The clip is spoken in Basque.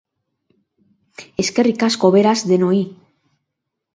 Eskerrik asko, beraz, denoi!